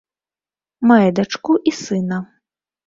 Мае дачку і сына.